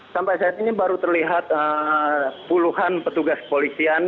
sampai saat ini baru terlihat puluhan petugas polisian